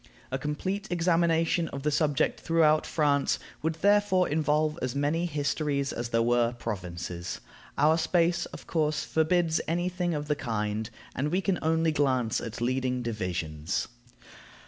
A complete examination of the subject throughout France would therefore involve as many histories as there were provinces. Our space, of course, forbids any thing of the kind, and we can only glance at leading divisions.